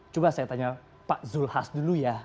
coba saya tanya pak zulhas dulu ya